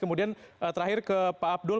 kemudian terakhir ke pak abdul